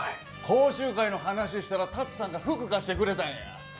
講習会の話したら龍さんが服貸してくれたんや。